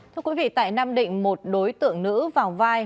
thưa quý vị tại nam định một đối tượng nữ vào vai